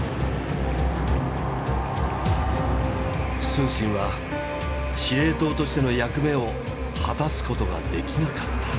承信は司令塔としての役目を果たすことができなかった。